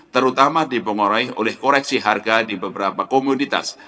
terutama dipengaruhi oleh koreksi harga di beberapa komoditas